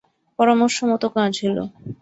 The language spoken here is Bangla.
পরামর্শমত কাজ হইল।